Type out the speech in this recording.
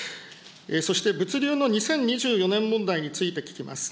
そして物流の２０２４年問題について聞きます。